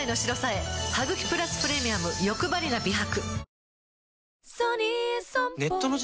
「ハグキプラスプレミアムよくばりな美白」